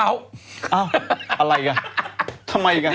อ้าวอะไรกันทำไมกัน